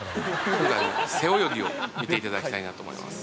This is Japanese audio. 今回背泳ぎを見ていただきたいなと思います。